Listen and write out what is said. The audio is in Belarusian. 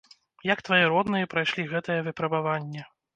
Як твае родныя прайшлі гэтае выпрабаванне?